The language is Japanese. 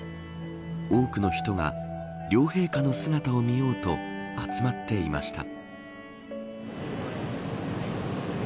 多くの人が両陛下の姿を見ようと集まっていました。